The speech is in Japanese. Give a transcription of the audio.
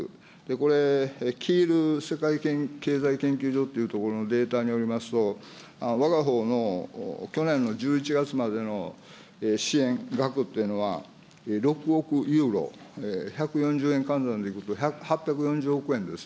これ、キール世界経営研究所というところのデータによりますと、わがほうの去年の１１月までの支援額っていうのは、６億ユーロ、１４０円換算でいくと８４０億円です。